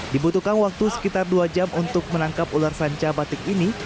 dibutuhkan waktu sekitar dua jam untuk menangkap ular sanca batik ini